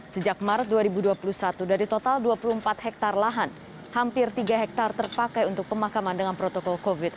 sejak maret dua ribu dua puluh satu dari total dua puluh empat hektare lahan hampir tiga hektare terpakai untuk pemakaman dengan protokol covid sembilan belas